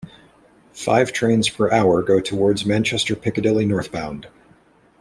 Five trains per hour go towards Manchester Piccadilly northbound.